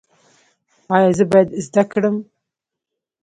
ایا زه باید زده کړم؟